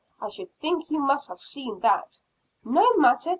I should think you must have seen that." "No matter.